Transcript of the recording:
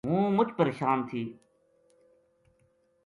ہوں مُچ پرشان تھی